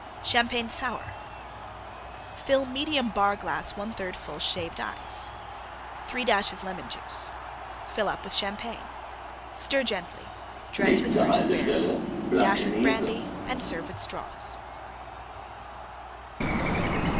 CHAMPAGNE SOUR Fill medium Bar glass 1/3 full Shaved Ice. 3 dashes Lemon Juice. Fill up with Champagne. Stir gently; dress with Fruit and Berries; dash with Brandy and serve with Straws.